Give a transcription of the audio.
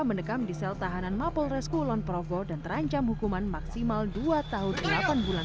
mendekam di sel tahanan mapolres kulon progo dan terancam hukuman maksimal dua tahun delapan bulan